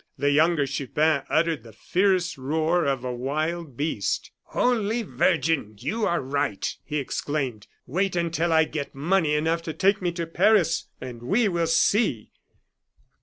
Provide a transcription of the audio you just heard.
The younger Chupin uttered the fierce roar of a wild beast. "Holy Virgin! you are right!" he exclaimed. "Wait until I get money enough to take me to Paris, and we will see."